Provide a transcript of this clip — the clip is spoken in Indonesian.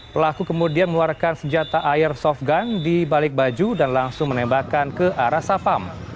pelaku kemudian mengeluarkan senjata air softgun di balik baju dan langsung menembakkan ke arah safam